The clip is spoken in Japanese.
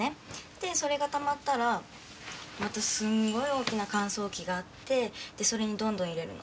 でそれがたまったらまたすんごい大きな乾燥機があってでそれにどんどん入れるの。